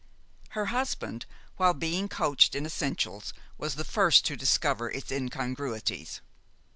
Her husband, while being coached in essentials, was the first to discover its incongruities.